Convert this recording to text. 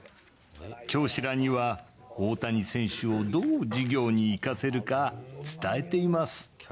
教師らには、大谷選手をどう授業に生かせるか伝えています。